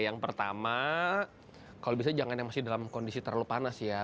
yang pertama kalau bisa jangan yang masih dalam kondisi terlalu panas ya